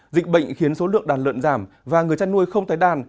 dịch bệnh khiến số lượng đàn lợn giảm và người chăn nuôi không tái đàn